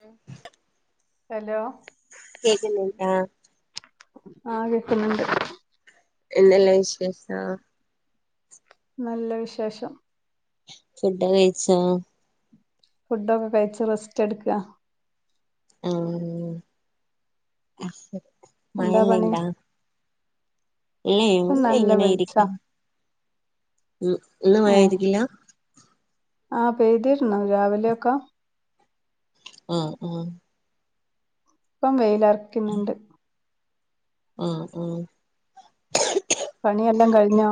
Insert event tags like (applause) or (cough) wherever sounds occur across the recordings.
ഉം ഹലോ കേക്കുന്ന് ഇണ്ട ആഹ് കേക്കുന്നുണ്ട് എന്തെല്ലാം വിശേഷം നല്ല വിശേഷം ഫുഡ് കഴിച്ചൊ ഫുഡൊക്കെ കഴിച്ചു റെസ്റ്റ് എടുക്കുക ആഹ് എന്താ പണി മയല്ലണ്ട ഇപ്പം അല്ലോ നല്ല ഇങ്ങനെ വെളിച്ചാ ഇരിക്കുന്ന് ഇന്ന് ഏഹ് മായപെയ്തിട്ടില്ല ആഹ് പെയ്തിരുന്നു രാവിലെയൊക്കെ ആഹ് ആഹ് ഇപ്പം വെയിലറക്ക്ന്ന്ണ്ട് ആഹ് ആഹ് പണിയെല്ലാം കഴിഞ്ഞോ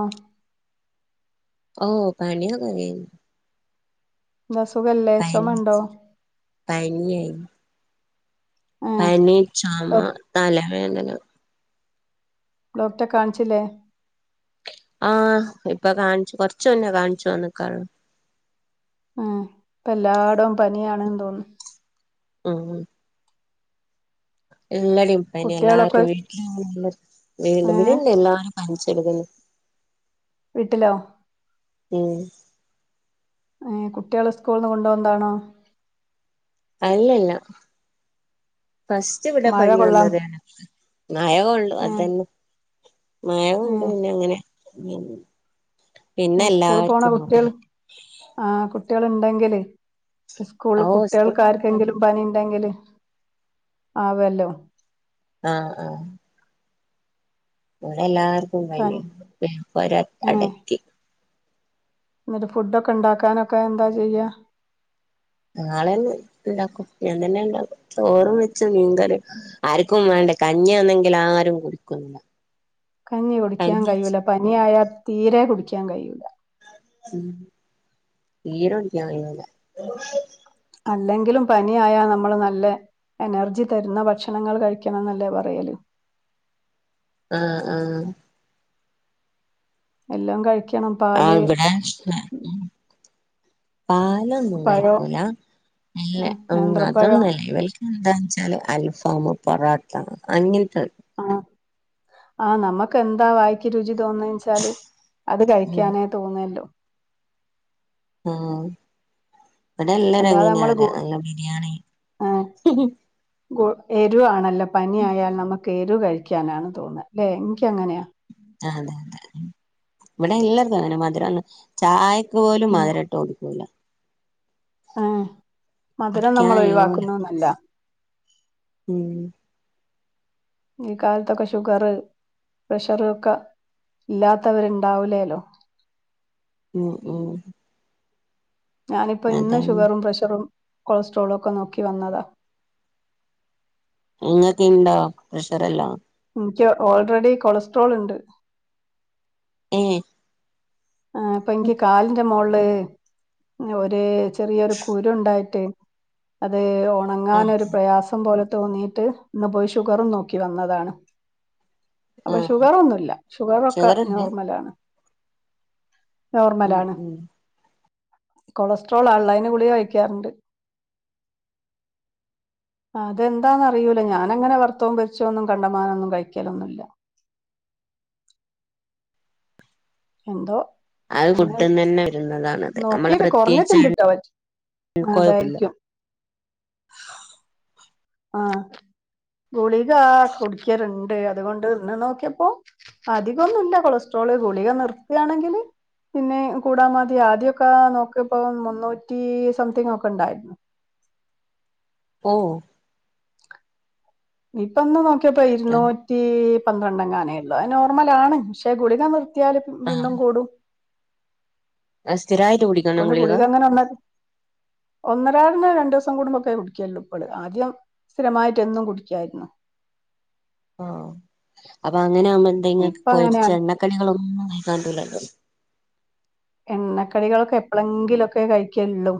ഓ പണിയൊക്കെ കഴിഞ്ഞി ന്താ സുഖല്ലേ പനി ചുമണ്ടോ പനിയായിനു ഏഹ് പനീ ചോമ തലവേദന ഡോക്ടറെ കാണിച്ചില്ലേ ആഹ് ഇപ്പൊ കാണിച്ചു കൊറച്ചു മുന്നെ കാണിച്ചു വന്ന്ക്കോള്ളൂ ആഹ് ഇപ്പെ എല്ലാടവും പനിയാണ്ന്ന് തോന്നുന്ന് ഉം എല്ലടയും പനിയാ കുട്ടികളൊക്കെ എല്ലർക്കും വീട്ടിലും (inaudible) ഏഹ് ഇവിടെണ്ട് എല്ലാരും പനിച്ചെട്ക്ക്ന്ന് വീട്ടിലോ ഉം ഏഹി കുട്യാൾ സ്കൂൾന്ന് കൊണ്ടുവന്നതാണോ അല്ല അല്ല ഫസ് റ്റ് ഇവിടെ മഴ പനി കൊള്ളാം വന്നത് എനക്ക് മഴ കൊള്ളും ഏഹ് അതെന്നെ മഴകൊണ്ട് ഏഹ് പിന്നെ അങ്ങനെ പിന്നെ സ്കൂൾ പോണ എല്ലാർക്കും അങ്ങോട്ട് കുട്യൾ ആഹ് കുട്യൾണ്ടെങ്കില് സ്കൂൾൽ ഓ സ്കൂൾ പോയിട്ടാണ് കുട്യാൾക്കാർക്കെങ്കിലും പനിണ്ടെങ്കില് ആവല്ലോ ആഹ് ആഹ് ഇവടെ എല്ലാർക്കും പനി പനിയ പോര അടക്കി ന്ന്ട്ട് ഫുഡൊക്കെ ഉണ്ടാക്കാനൊക്കെ എന്താ ചെയ്യ നാളെന്നെ ഇണ്ടാക്കും ഞാൻ തന്നെ ഇണ്ടാക്കും ചോറും വെച്ച് മീൻകറിയും ആര്ക്കും വേണ്ട കഞ്ഞിയാന്നെങ്കിൽ ആരും കുടിക്കുന്നുല്ല കഞ്ഞി കുടിക്കാൻ കഴിയൂല പനിയായാ തീരെ കുടിക്കാൻ കഴിയൂല ഉം തീരേകുടിക്കാൻ കയിയൂല അല്ലെങ്കിലും പനിയായാ നമ്മള് നല്ലെ എനർജി തരുന്ന ഭക്ഷണങ്ങൾ കഴിക്കണം എന്നല്ലേ പറയല് ആഹ് ആഹ് എല്ലോം കഴിക്കി ആഹ് ഇബടെ പാലൊന്നും പഴം കയിക്കൂല നല്ലെ ആഹ് ഉം നേന്ത്രപ്പഴം അതൊന്നുഅല്ല ഇവൽ എന്താന്ന് വെച്ചാല് അൽഫാം പൊറാട്ട അങ്ങന ത്തത് ആഹ് ആ നമ്മക്കെന്താ വായിക്ക് രുചി തോന്നെച്ചാല് അത് ഉം കഴിക്കാനേ തോന്നല്ലോ ഉം ഇവിടെല്ലരും അല്ലാതെ അങ്ങനെയാ നമ്മള് ഗു പറയാ നല്ല ബിരിയാണി പ്പൊ എരുവാണല്ലോ പനിയായാ നമ്മക്ക് എരുകഴിക്കാനാണ് തോന്ന ല്ലെ ഇനിക്കങ്ങനെയാ ആഹ് അതെ അതെ ഇവിടെ എല്ലാർക്കും അങ്ങനെ മധുരാണ് ചായ ക്ക് പോലും ഉം മധിരട്ട് കുടിക്കൂല ആഹ് മധുരം കുടിക്കാൻ ഞമ്മള് കയ്യൂല ഒഴിവാക്കുന്നത് നല്ലതാ ഉം ഈ കാലത്തൊക്കെ ഷുഗർ പ്രഷർ ഒക്ക ഇല്ലാത്തവരുണ്ടാവലേല്ലോ ഉം ഉം ഞാനിപ്പോ ഇന്ന് അതാണ് ഷുഗറും പ്രഷറും കൊളസ്ട്രോളും ഒക്കെ നോക്കി വന്നതാ ഇങ്ങക്കിണ്ടോ പ്രഷറെല്ലോം ഇനിക്ക് ഓൾറെഡി കൊളസ്ട്രോൾണ്ട് ഏഹ് ആഹ് ഇപ്പൊ എനിക്ക് കാലിന്റെ മോള് ഒരു ചെറിയൊരു കുരുണ്ടായിട്ട് അത് ഒ ഉണങ്ങാന് ആഹ് ഒരു പ്രയാസം പോലെ തോന്നീയിട്ട് ഇന്ന് പോയി ഷുഗറും നോക്കി വന്നതാണ് അപ്പൊ ആഹ് ഷുഗർൊന്നുല്ല ഷുഗറൊക്കെ ഷുഗറുണ്ട് നോർമലാണ് ഉം നോർമലാണ് ഉം കൊളസ്ട്രോൾ ഉള്ളതിന് ഗുളിക കഴിക്കാറുണ്ട് അം ആഹ് അതെന്താന്ന അറിയുല ഞാന അങ്ങനെ വർത്തവും പരിച്ചോ ഒന്നും കണ്ടമാനൊന്നും കഴിക്കലൊന്നുല്ല എന്തോ അത് അങ്ങെ ഫുഡ്ന്നന്നെ വരുന്നതാണത് നമ്മള് നോക്കീട്ട് പ്രത്യേകിച്ച് കുറഞ്ഞിട്ടുണ്ട്ട്ടോ (unintelligible) കൊഴപ്പില്ല അതായിരിക്കും ആഹ് അ ഗുളിക കുടിക്കലുണ്ട് അതുകൊണ്ട് ഇന്ന് നോക്കിയപ്പോ അധികമൊന്നും ഇല്ല കൊളസ്ട്രോള് ഗുളിക നിർത്താണെങ്കില് പിന്നെ കൂടാൽ മതി ആദ്യൊക്കെ നോക്കിയപ്പോ മുന്നൂറ്റി സംതിങ് ഒക്കെ ഉണ്ടായിരുന്നു ഓ ഇപ്പൊന്ന് നോക്കിയപ്പോ ഇരുന്നൂറ്റി പന്ത്രണ്ടൊനേ ഉള്ളു അത് നോർമലാണ് പക്ഷേ ഗുളിക നിർ ത്തിയാൽ വീണ്ടും കൂടും ആ സ്ഥിരയിറ്റ് കു കൊണ്ട് ഗളിക അങ്ങനെ ഒന്ന് ഒന്നരായിടന രണ്ടു ദിവസം കൂടുമ്പോൊക്കെ കുടിക്കല്ലോ ഇപ്പള് ആദ്യം സ്ഥിരമായിട്ട് എന്നും കുടിക്കായിരുന്നു (inaudible) ആഹ് അപ്പൊ അങ്ങനെകുമ്പോഎന്തെൊ ഇപ്പ പൊരിച്ച അങ്ങനെയാണ് എണ്ണക്കടികളൊന്നുംക്കായിക്കാൻ പറ്റുല്ലല്ലോ എണ്ണക്കടികളൊക്കെ എപ്പോഴെങ്കിലൊക്കെ കഴിക്കുള്ളൂ